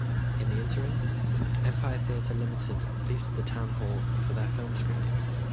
In the interim, Empire Theatre Limited leased the Town Hall for their film screenings.